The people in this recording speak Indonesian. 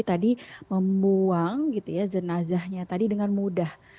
tadi membuang gitu ya jenazahnya tadi dengan mudah